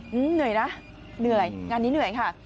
เหนื่อยนะเหนื่อยงานนี้เหนื่อยค่ะ